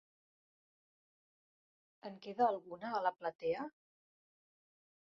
En queda alguna a la platea?